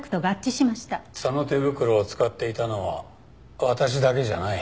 その手袋を使っていたのは私だけじゃない。